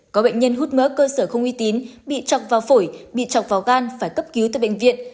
có bệnh nhân hút mỡ cơ sở không uy tín bị chọc vào phổi bị chọc vào gan phải cấp cứu tại bệnh viện